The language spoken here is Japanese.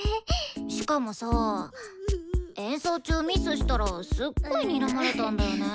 しかもさ演奏中ミスしたらすっごいにらまれたんだよね。